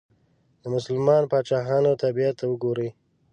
د مسلمانو پاچاهانو طبیعت ته وګورئ.